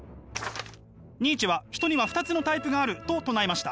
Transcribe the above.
ニーチェは人には２つのタイプがあると唱えました。